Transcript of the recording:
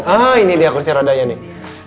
ah ini dia kursi rodanya nih